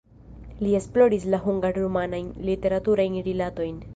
Li esploris la hungar-rumanajn literaturajn rilatojn.